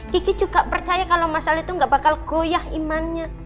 kiki juga percaya kalo mas al itu gak bakal goyah imannya